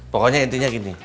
pokoknya intinya gini